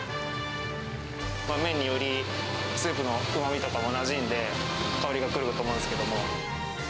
麺によりスープのうまみとかもなじんで、香りが来ると思うんですけども。